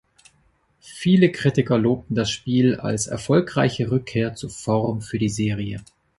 Viele Kritiker lobten das Spiel als erfolgreiche Rückkehr zur Form für die Serie.